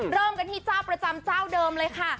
เริ่มกันที่เจ้าประจำเจ้าเดิมเลยค่ะ